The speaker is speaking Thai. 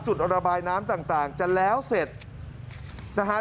จุดระบายน้ำต่างจะแล้วเสร็จนะฮะ